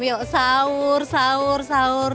yuk sahur sahur sahur